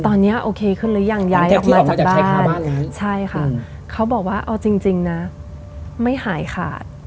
ตอนนี้โอเคขึ้นหรือยังย้ายออกมาจากบ้านใช่ค่ะเขาบอกว่าเอาจริงนะไม่หายขาด